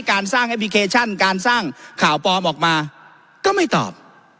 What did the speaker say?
การสร้างแอปพลิเคชันการสร้างข่าวปลอมออกมาก็ไม่ตอบ